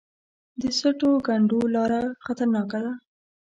د سټو کنډو لاره خطرناکه ده